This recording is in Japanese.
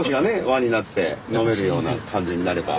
輪になって飲めるような感じになれば。